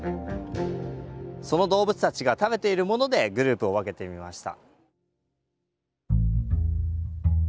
その動物たちが食べているものでグループを分けてみました。